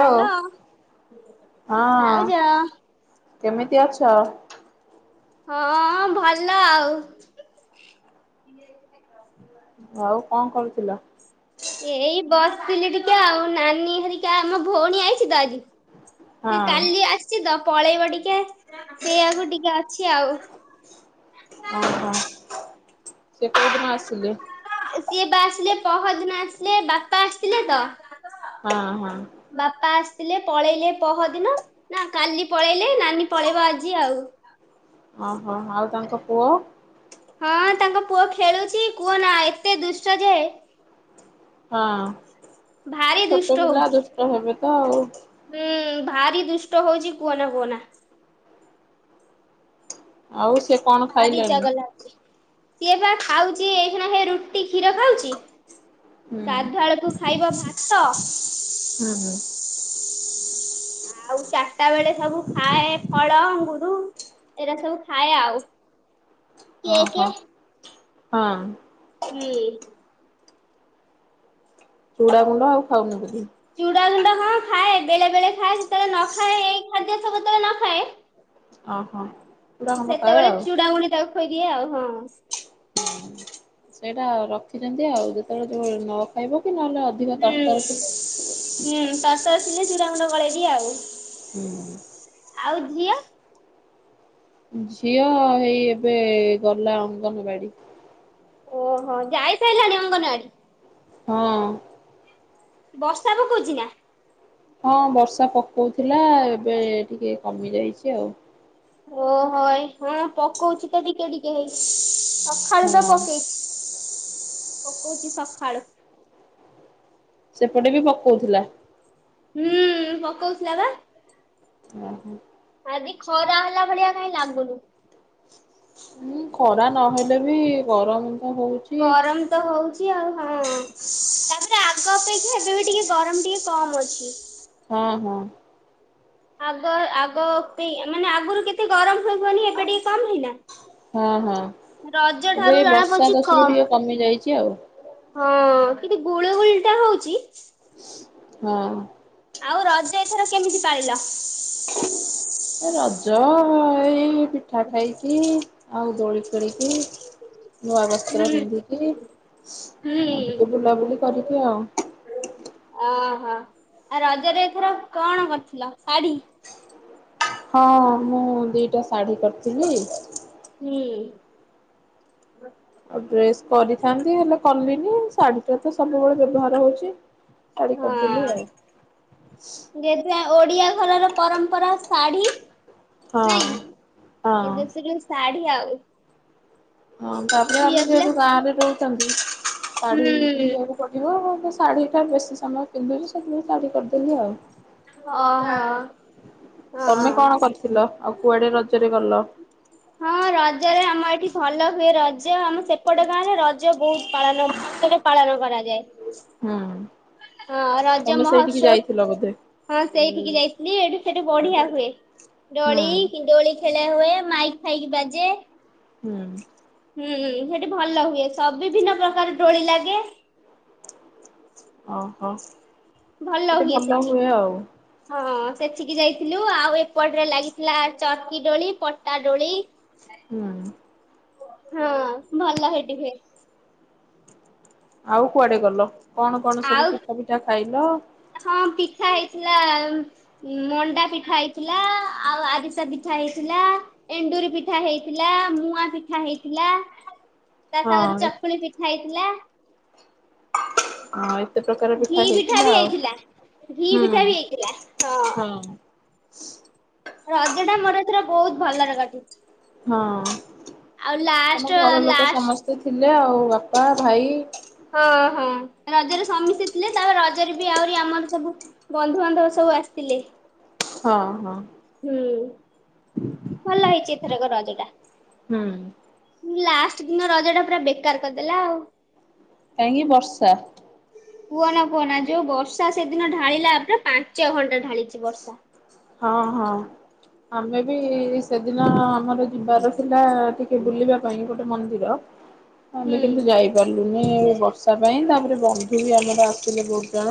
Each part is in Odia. ହ୍ୟାଲୋ ହଁ ଭାଉଜ କେମିତି ଅଛ ହଁ ଭଲ ଆଉ ଆଉ କଣ କରୁଥିଲ ଏଇ ବସିଥିଲି ଟିକେ ଆଉ ନାନୀ ହେରିକ ଆମ ଭଉଣୀ ଆଇଛି ତ ଆଜି ହଁ ନା କାଲି ଆସିଛି ତ ପଳେଇବ ଟିକେ ସେଇଆକୁ ଟିକେ ଅଛି ଆଉ ଓହୋ ସେ କୋଉଦିନ ଆସିଲେ ସିଏ ବା ଆସିଲେ ପହରଦିନ ଆସିଲେ ବାପା ଆସିଥିଲେ ତ ହଁ ହଁ ବାପା ଆସିଥିଲେ ପଳେଇଲେ ପହଦିନ ନା କାଲି ପଳେଇଲେ ନାନୀ ପଳେଇବ ଆଜି ଆଉ ଓ ହଁ ଆଉ ତାଙ୍କ ପୁଅ ହଁ ତାଙ୍କ ପୁଅ ଖେଳୁଛି କୁହ ନା ଏତେ ଦୁଷ୍ଟ ଯେ ହଁ ଆଉ ଭାରି ଦୁଷ୍ଟ ଛୋଟ ପିଲା ହଉଛି। ଦୁଷ୍ଟ ହେବେ ତ ଆଉ ହୁଁ ଭାରି ଦୁଷ୍ଟ ହଉଚି କୁହନା କୁହନା ଆଉ ସେ କଣ ଖାଇଲେଣି? ବାରିଚଗଲା ହେଉଛି ସିଏ ବା ଖାଉଛି ଏ ହେ ରୁଟି କ୍ଷୀର ଖାଉଛି ହୁଁ ଗାଧୁଆଳକୁୁ ଖାଇବ ଭାତ ହୁଁ ହୁଁ ଆଉ ଚାରିଟା ବେଳେ ସବୁ ଖାଏ ଫଳ ଅଙ୍ଗୁରୁ ଏଇଟା ସବୁ ଖାଏ ଆଉ। କେକେ ଓହୋ। ହଁ। ହୁଁ। ଚୁଡା ଗୁଣ୍ଡ ଆଉ ଖାଉନି ବୋଧେ? ଚୁଡ଼ା ଗୁଣ୍ଡ କଣ ଖାଏ ବେଳେ ବେଳେ ଖାଏ ସେତେବେଳେ ନ ଖାଏ ଏଇ ଖାଦ୍ୟ ସବତେବେଳେ ନ ଖାଏ ଓହୋ। ଚୁଡ଼ା ଗୁଣ୍ଡ ଖାଏ ସେତେବେଳେ ଆଉ ଚୁଡାଗୁଣ୍ଡି ତାକୁ ଖୋଇଦିଏ ଆଉ ହଁ। ହୁଁ। ସେଇଟା ରଖିଛନ୍ତି ଆଉ ଯେତେବେଳେ ଯୋ ନ ଖାଇବ କି ନହେଲେ ଅଧିକ ହୁଁ ତରତର ଥିବ ହୁଁ ସସ ଆସିଲେ ଚୂୁର ମୁଣ୍ଡ କଳେଇବି ଆଉ। ହୁଁ। ଆଉ ଝିଅ? ଝିଅ ହେଇ ଏବେ ଗଲା ଅଙ୍ଗନବାଡି। ଓହୋ ଯାଇସାରିଲାଣି ଅଙ୍ଗନବାଡ଼ି! ହଁ। ବର୍ଷା ପକଉଛି ନା? ହଁ ବର୍ଷା ପକଉଥିଲା ଏବେ ଟିକେ କମି ଯାଇଛି ଆଉ। ଓ ହ ହଁ ପକଉଛି ତ ଟିକେ ଟିକେ ହେଇ। ସକାଳୁ ତ ହଁ ପକେଇଛି ପକଉଛି ସକାଳୁ। ସେପଟେ ବି ପକଉଥିଲା। ହୁଁ ପକଉଥିଲା ବା। ଓ ହୋ। ଆଜିି ଖରା ହେଲା ଭଳିଆ କାଇଁ ଲାଗୁନି। ହୁଁ ଖରା ନହେଲେ ବି ଗରମ ତ ଚ ହଉଛି। ଗରମ ତ ହଉଛି ଆଉ ହଁ ତାପରେ ଆଗ ଅପେକ୍ଷା ଏବେ ବି ଟିକେ ଗରମ ଟିକେ କମ ଅଛି। ହଁ ହଁ। ଆଗ ଆଗ ପାଇଁ ମାନେ ଆଗରୁ କେତେ ଗରମ ହେଇବନି, ଏବେ ଟିକେ କମ ହେଇନା। ହଁ ହଁ ରଜ ଏବେ ଠାରୁ ଜଣା ବର୍ଷା ପଡୁଛି ଦୋଷରୁ ଟିକେ କମ କମି ଯାଇଛି ଆଉ। ହଁ କିନ୍ତୁ ଗୁଳ ଗୁଳିଟା ହଉଛି ହଁ ଅଁ। ଆଉ ରଜ ଏଥର କେମିତି ପାଳିଲ? ଏ ରଜ ଏଇ ପିଠା ଖାଇଚୁ ଆଉ ଦୋଳି ଖେଳିଚୁ। ନୂଆ ବସ୍ତ୍ର ହୁଁ ପିନ୍ଧିକି ଆଉ ହୁଁ। ଟିକେ ବୁଲାବୁଲି କରିକି ଆଉ। ଓହୋ, ଆ ରଜରେ ଏଥର କଣ କରିଥିଲ ଶାଢୀ? ହଁ ମୁଁ ଦିଟା ଶାଢ଼ୀ କରିଥିଲି। ହୁଁ ଉଁ ଆଉ ଡ୍ରେସ କରିଥାନ୍ତି ହେଲେ କଲିନି, ଶାଢୀ ଟା ତ ସବୁବେଳେ ବ୍ୟବହାର ହଉଛି। ଶାଢ଼ୀ କରିଦେଲିି ଆଉ। ଯୋଦ୍ଧା ଓଡିଆ ଘରର ପରମ୍ପରା ଶାଢ଼ୀ। ହଁ ନାଇଁ ହଁ। ଏବେ ସେ ଗ ଶାଢୀ ଆଉ ହଁ ତାପରେ ଆମେ ଝିଅ ପିଲା ଯେହେତୁ ଗାଁ ରେ ରହୁଛନ୍ତି ଶାଢ଼ୀ ହୁଁ ପିନ୍ଧିବାକୁ ପଡ଼ିବ ମୁଁ ଶାଢ଼ୀଟା ବେଶୀ ସମୟ ପିନ୍ଧୁଛି ସେଥିପାଇଁ ଶାଢ଼ୀ କରିଦେଲି ଆଉ। ଓହୋ ତମେ ହଁ। କଣ କରିଥିଲ ଆଉ କୁଆଡେ ରଜରେ ଗଲ? ହଁ ରଜରେ ଆମ ଏଠି ଭଲ ହୁଏ ରଜ, ଆମ ସେପଟେ ଗାଁରେ ରଜ ବହୁତ ପାଳନ ବଷରେ ପାଳନ କରାଯାଏ। ହୁଁ ହଁ ରଜ ତମେ ସେଇଠିକି ମହୋତ୍ସବ ଯାଇଥିଲ ବୋଧେ। ହଁ ସେଇଠିକି ଯାଇଥିଲି, ଏଇଠୁ ସେଠୁ ବଢିଆ ହୁଏ ହୁଁ ଡୋଳି କି ଡୋଳି ଖେଳ ହୁଏ, ମାଇକ ଫାଇକ ବାଜେ। ହୁଁ ଉଁ ହୁଁ ସେଠି ଭଲ ହୁଏ, ସବୁ ବିଭିନ୍ନ ପ୍ରକାରର ଦୋଳି ଲାଗେ। ଓହୋ, ସେଠି ଭଲ ହୁଏ ଆଉ। ହଁ ସେଠିକି ଯାଇଥିଲୁ ଆଉ ଏପଟରେ ଲାଗିଥିଲା ଚର୍କି ଡୋଳି ପଟା ଡୋଳି। ହୁଁ ଉଁ ହଁ ଭଲ ହେଇଟି ହୁଏ। ଆଉ କୁଆଡେ ଗଲ? କଣ କଣ ସବୁ ଆଉ ପିଠା ଫିଠା ଖାଇଲ? ହଁ ପିଠା ହେଇଥିଲା ମଣ୍ଡା ପିଠା ହେଇଥିଲା ଆଉ ଆରିସା ପିଠା ହେଇଥିଲା। ଏଣ୍ଡୁରି ପିଠା ହେଇଥିଲା, ମୁଆଁ ପିଠା ହେଇଥିଲା। [inaudible] ତା ସାଙ୍ଗରେ ଚକୁଳି ପିଠା ହେଇଥିଲା। ଆଉ କେତେ ପ୍ରକାର ପିଠା ହେଇଥିଲା ଆଉ ଘି ହୁଁ ପିଠା ବି ହେଇଥିଲା ହଁ। [inaudible] ରଜ ଟା ମୋର ଏଥରେ ବହୁତ ଭଲରେ କଟିଛି। ହଁ ଆଉ ଲାଷ୍ଟ ତମ ଘର ଲୋକ ଲାଷ୍ଟ ସମସ୍ତେ ଥିଲେ ଆଉ, ବାପା ଭାଇ ହଁ ହଁ ରଜରେ ସମିସ୍ତେ ଥିଲେ, ତାପରେ ରଜରେ ବି ଆହୁରି ଆମର ସବୁ ବନ୍ଧୁବାନ୍ଧବ ସବୁ ଆସିଥିଲେ। ହଁ ହଁ। ହୁଁ ଉଁ। ଭଲ ହେଇଛି ଏଥରକ ରଜଟା। ହୁଁ ଉଁ। ଲାଷ୍ଟ ଦିନ ରଜଟା ପୁରା ବେକାର କରିଦେଲା ଆଉ। କାହିଁକି ବର୍ଷା? କୁହ ନା କୁହନା ଯୋଉ ବର୍ଷା ସେଦିନ ଢାଳିଲା, ପୁରା ପାଞ୍ଚ ଘଣ୍ଟା ଢାଳିଛି ବର୍ଷା। ହଁ ହଁ ଆମେ ବି ସେଦିନ ଆମର ଯିବାର ଥିଲା ଟିକେ ବୁଲିବା ପାଇଁ ଗୋଟେ ମନ୍ଦିର। ଆମେ ହୁଁ କିନ୍ତୁ ଯାଇପାରିଲୁନି ଏବର୍ଷ ର୍ଷା ପାଇଁ ତାପରେ ବନ୍ଧୁ ବି ଆମର ଆସଥିଲେ ବହୁତ ଜଣ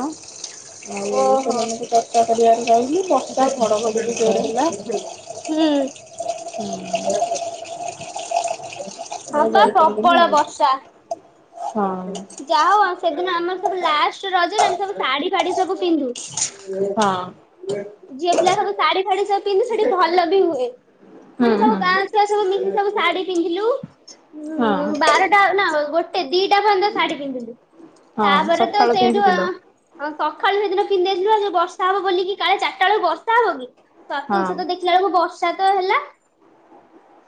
ଆଉ ଓହୋ ସେମାନଙ୍କୁ ତ ଚର୍ଚ୍ଚା କରିବାରେ ରହିଲି ବର୍ଷା ଘଡଘଢି ବି ଜୋରେ ହେଲା। ହୁଁ। ହୁଁ। ଆଉ ହଁ ପା ଯାଇପାରିଲୁନି ପ୍ରବଳ ଆଉ। ବର୍ଷା। ହଁ। ଯାହଉ ସେଦିନ ଆମର ସବୁ ଲାଷ୍ଟ ରଜରେ ଆମେ ସବୁ ଶାଢୀ ଫାଢୀ ସବୁ ପିନ୍ଧୁ। ହଁ [inaudible] ଝିଅ ପିଲା ସବୁ ଶାଢୀଫାଢୀ ସବୁ ପିନ୍ଧୁ ସେଠି ଭଲ ବି ହୁଏ ହୁଁ ମାନେ ସବୁ ହୁଁ ଗାଁ ଛୁଆସବୁ ମିସିକି ସବୁ ଶାଢୀ ପିନ୍ଧିଲୁ ଉ ହଁ ବାରଟା ନା ଗୋ ଟେ ଦିଟା ପର୍ଯ୍ୟନ୍ତ ଶାଢୀ ପିନ୍ଧିଲୁ। ହଁ ତାପରେ ତ ସକାଳୁ ସେଇଠୁ ଆ ପିନ୍ଧିଥିଲ ହଁ ସକାଳୁ ସେଦିନ ପିନ୍ଧେଇଥିଲୁ ଆଉ ବର୍ଷା ହବ ବୋଲିକି କାଳେ ଚାରିଟା ବେଳକୁ ବର୍ଷା ହବ କି? ହଁ ସତକୁ ସତ ଦେଖିଲା ବେଳକୁ ବର୍ଷା ତ ହେଲା।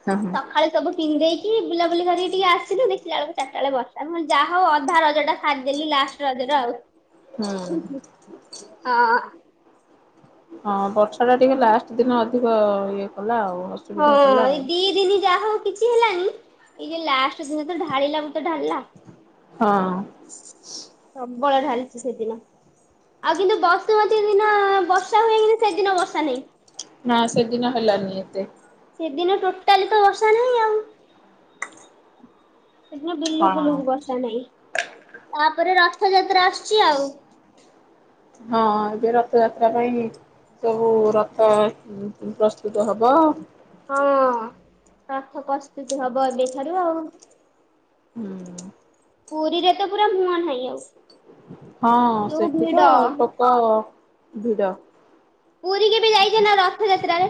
ହଁ ହଁ ସକାଳୁ ସବୁ ପିନ୍ଧେଇକି ବୁଲାବୁଲି କରିକିି ଟିକେ ଆସିଲୁ ଦେଖିଲା ବେଳକୁ ଚାର ଚାରଟା ବେଳେ ବର୍ଷା ହଁ ଯାହା ହଉ ଅଧା ରଜଟା ସାରିଦେଲୁ ଲାଷ୍ଟ ରଜରେ ଆଉ। ହୁଁ ହଁ। ହଁ ବର୍ଷା ଟା ଟିକେ ଲାଷ୍ଟ ଦିନ ଅଧିକ ଇଏ କଲା ଆଉ। ହଁ ଅସୁବିଧା କଲା ଆଉ ଏଇ ଦି ଦିନି ଯାହା ହଉ। କିଛି ହେଲାନି ଏଇ ଯୋଉ ଲାଷ୍ଟ ଦିନ ତ ଢାଳିଲା ବୃତ ଢାଳିଲା। ହଁ। ପ୍ରବଳ ଢାଲିଚି ସେଦିନ। ଆଉ କିନ୍ତୁ ବସୁମତୀ ଦିନ ବର୍ଷା ହୁଏ କି ସେଦିନ ବର୍ଷା ନାହିଁ। ହଁ ସେଦିନ ହେଲାନି ଏତେ। ସେଦିନ ଟୋଟାଲି ତ ବର୍ଷା ନାହିଁ ଆଉ। ସେଦିନ ହଁ ବିଲୁକୁଲୁକୁ ବର୍ଷା ନାାଇଁ ତାପରେ ରଥଯାତ୍ରା ଆସୁଚି ଆଉ। ହଁ ଏବେ ରଥଯାତ୍ରା ପାଇଁ ସବୁ ରଥ ପ୍ରସ୍ତୁତ ହବ। ହଁ ରଥ ପ୍ରସ୍ଥତି ହବ ଏବେ ଠାରୁ ଆଉ। ହୁଁ। ପୁରୀରେ ତ ପୁରା ମୁହଁ ନାହିଁ ଆଉ। ହଁ ଯୋଉ ସେଠି ଭିଡ ତ ଲୋକ ଭିଡ। ପୁରୀ କେବେ ଯାଇଚନ୍ତି ନା ରଥଯାତ୍ରାରେ?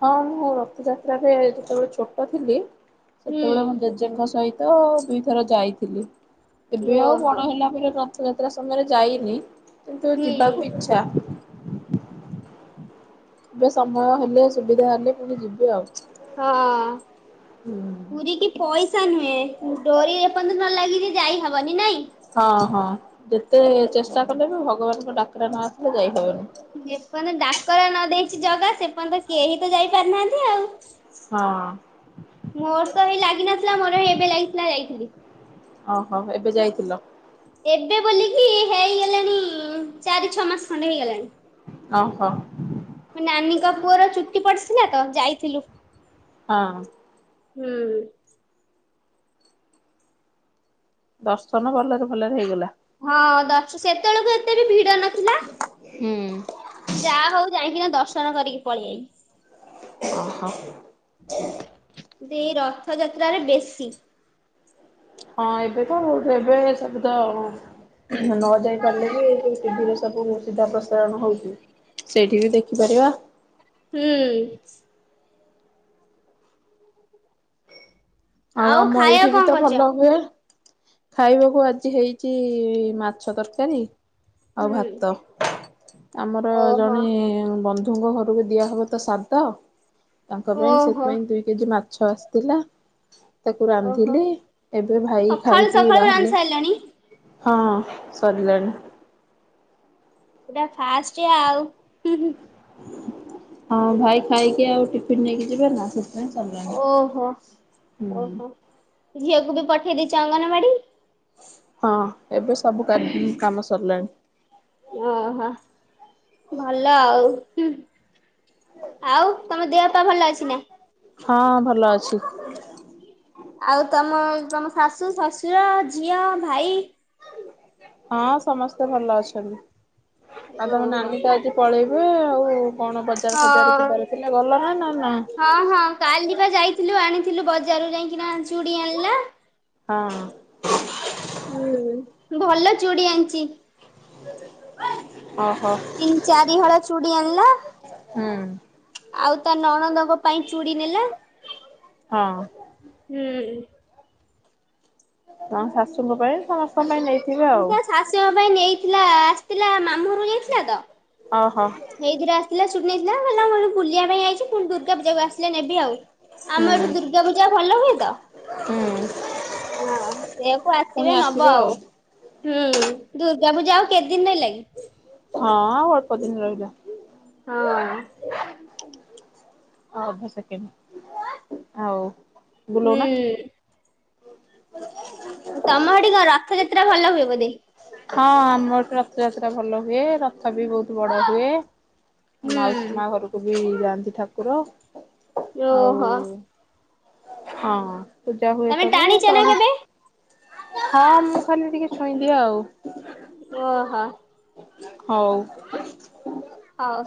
ହଁ ମୁଁ ରଥଯାତ୍ରାରେରେ ଯେତେବେଳେ ଛୋଟ ଥିଲି ହୁଁ ସେତେବେଳେ ମୁଁ ଜଙ୍କ ସହିତ ଦୁଇଥର ଯାଇଥିଲି ଏବେ ଆଉ ବଡ଼ ଓହୋ ହେଲା ପରେ ର ଥଯାତ୍ରା ସମୟରେ ଯାଇନି କିନ୍ତୁ ହୁଁ ଯିବାକୁ ଇଚ୍ଛା। [inaudible] ଏବେ ସମୟ ହେଲେ ସୁବିଧା ହେଲେ ପୁଣି ଯିବି ଆଉ। ହଁ ହୁଁ ପୁରୀ କି ପଇସା ନୁହେଁ ଡୋରି ଯେ ପର୍ଯ୍ୟନ୍ତ ନ ଲାଗିଚି ଯାଇ ହବନି ନାଇଁ। ହଁ ହଁ ଯେତେ ଚେଷ୍ଟା କଲେ ବି ଭଗବାନଙ୍କ ଡାକରା ନ ଆସିଲେ ଯାଇ ହେବନି। ଯେପର୍ଯ୍ୟ ଡାକରା ନ ଦେଇଛି ଜଗା ସେପର୍ଯ୍ୟନ୍ତ କେହି ତ ଯାଇପାରିନାହାନ୍ତି ଆଉ। ହଁ। ମୋର ତ ହେଇ ଲାଗିିନଥିଲା ମୋର ଏବେ ଲାଗିଥିଲା ଯାଇଥିଲି। ଓହୋ ଏବେ ଯାଇଥିଲ? ଏବେ ବୋଲିକି ହେଇଗଲାଣି ଚାରି ଛଅ ମାସ ଖଣ୍ଡେ ହେଇଗଲାଣି। ଓହୋ। ମୋ ନାନୀଙ୍କ ପୁଅର ଚୁଟି ପଡିଥିଲା ତ ଯାଇଥିଲୁ। ହଁ। ହୁଁ। ଦର୍ଶନ ଭଲରେ ଭଲରେ ହେଇଗଲା? ହଁ ଦ ସେତେବେଳକୁ ଏତେ ବି ଭିଡ ନଥିଲା। ହୁଁ। ଯାହା ହଉ ଯାଇକିନା ଦର୍ଶନ କରିକି ପଳେଇଆାଇି। ଓ ହ। ଯେ ରଥଯାତ୍ରାରେ ବେଶୀ। ହଁ ଏବେ ତ ର ଏବେ ସବୁ ତ ନ ଯାଇ ପାରିଲେ ବି ଏ ଯୋଉ ଟିଭିରେ ସବୁ ସିଧା ପ୍ରସାରଣ ହଉଛି। ସେଇଠି ବି ଦେଖିପାରିବା। ହୁଁ। ଆଉ ଆମ ଏଇଠି ଖାଇବାକୁ ବି କଣ ତ କରିଛ? ଭଲ ହୁଏ। ଖାଇବାକୁ ଆଜି ହେଇଛି ମାଛ ତରକାରୀ। ଆଉ ହୁଁ ଭାତ ଆମର ଓହୋ ଜଣେ ବନ୍ଧୁ ଛୁଅଙ୍କ ଘରକୁ ଦିଆହେବ ତ ସାଦ ତାଙ୍କ ପାଇଁ ଓହୋ। ସେଥିପାଇଁ ଦୁଇ କେଜି ମାଛ ଆସିଥିଲା। ତାକୁ ଓହୋ ରାନ୍ଧିଲି ଏବେ ଭାଇ ସକାଳୁ ଖାଇକି ସକାଳୁ ରାନ୍ଧି ବାହାରିଲେ ସାରିଲଣି ହଁ ସରିଲାଣି। ପୁରା ଫାଷ୍ଟ ଆଉ। ହଁ ଭାଇ ଖାଇକି ଆଉ ଟିଫିିନ ନେଇକି ଯିବେ ନା ସେ ଓହୋ ଓହୋ ଝିଅକୁ ବି ପଠେଇ ଦେଇଛ ଅଙ୍ଗନବାଡି, ହଁ ଏବେ ସବୁ କାମ ସରିଲାଣି। ଓହୋ ଭଲ ଆଉ। ଆଉ ତମ ଦେହ ବାପା ଭଲ ଅଛି ନା? ହଁ ଭଲ ଅଛି। ଆଉ ତମ ତମ ଶାଶୁ ଶଶୁର ଝିଅ ଭାଇ ହଁ ସମସ୍ତେ ଭଲ ଅଛନ୍ତି ଆଉ ତମ ଓହୋ ହଁ। ନାନୀ ତ ଆଜି ପଳେଇବେ ଆଉ କଣ ବଜାର ଖଜାର ଯିବାର ଥିଲ ଗଲନା ନା ନା ହଁ ହଁ କାଲି ବା ଯାଇଥିଲୁ ଆଣିଥିଲୁ ବଜାରରୁ ଯାଇକିନା ଚୁଡ଼ି ଆଣିଲା ହଁ। ହୁଁ ଭଲ ଚୁଡି ଆଣିଛି। [inaudible] ଓହୋ। ତିନି ଚାରି ହଳ ଚୁଡ଼ି ଆଣିଲା। ହୁଁ ଆଉ ତା ନଣନ୍ଦଙ୍କ ପାଇଁ ଚୁଡି ନେଲା। ହଁ। ହୁଁ। ତମ ଶାଶୁଙ୍କ ପାଇଁ ସମସ୍ତଙ୍କ ପାଇଁ ନେଇଥିବେ ଆଉ। ତା ଶାଶୁଙ୍କ ପାଇଁ ନେଇଥିଲା ଆସିଥିଲା ମାମୁଁଘର‌ କୁ ଯାଇଥିଲା ତ ଓହୋ ସେଇଥିରେ ଆସିଥିଲା ଚୁଡି ନେଇଥିଲା ହେଲା ମୁଁ ବୁଲିବା ପାଇଁ ଆଇଚି ପୁଣି ଦୁର୍ଗାପୂଜା କୁ ଆସିଲେ ନେବି ଆଉ। ହୁଁ ଆମ ଏଠୁ ଦୁର୍ଗାପୂଜା ଭଲ ହୁଏ ତ। ହୁଁ। ହଁ ସେଇଆ କୁ ପୁଣି ଆସିବେ ଆସିବ ନବ ଆଉ। ହଁ ହୁଁ ଦୁର୍ଗା ପୂଜା ଆଉ କେତେ ଦିନ ରହିଲା କି? ହଁ ଆଉ ଅଳ୍ପ ଦିନ ରହିଲା। ହଁ। ଅ ଅଧ ସେକମ ଆଉ ବୁଲଉନା। ହୁଁ [inaudible] ତମ ଆଡି କ ରଥଯାତ୍ରା ଭଲ ହୁଏ ବୋଧେ? ହଁ ଆମର ଏଠି ରଥଯାତ୍ରା ଭଲ ହୁଏ ରଥ ବି ବହୁତ ବଡ ହୁଏ। ମାଉସୀ ମା ହୁଁ ଘରକୁ ବି ଯାଆନ୍ତି ଠାକୁର ଆଉ ଓହୋ ହଁ ପୂଜା ହୁଏ ତମେ ସବୁ ଟାଣିଛ ତା ନା କେବେ? ହଁ ମୁଁ ଖାଲି ଟିକେ ଛୁଇଁଦିଏ ଆଉ। [unintelligible] ହଉ। ହଉ।